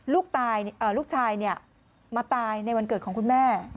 ลูกชายมาตายในวันเกิดของคุณแม่